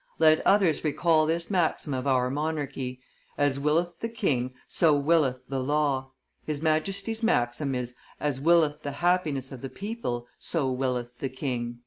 Let others recall this maxim of our monarchy: 'As willeth the king, so willeth the law;' his Majesty's maxim is: 'As willeth the happiness of the people, so willeth the king.